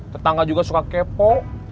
tetangga juga suka kepo